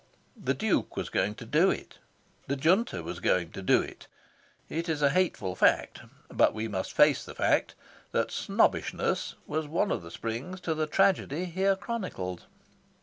The Duke was going to do it. The Junta was going to do it. It is a hateful fact, but we must face the fact, that snobbishness was one of the springs to the tragedy here chronicled.